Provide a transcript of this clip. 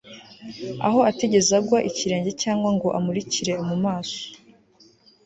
Aho atigeze agwa ikirenge cyangwa ngo amurikire mu maso